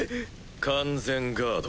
完全ガード。